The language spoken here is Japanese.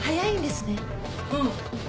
うん。